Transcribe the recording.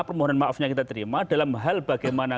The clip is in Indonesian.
permohonan maafnya kita terima dalam hal bagaimana